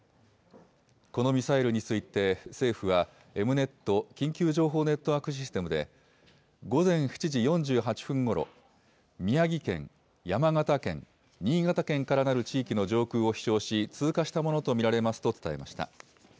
このミサイルについて、政府はエムネット・緊急情報ネットワークシステムで、午前７時４８分ごろ、宮城県、山形県、新潟県からなる地域の上空を飛しょうし、通過したものと見られますと伝えました。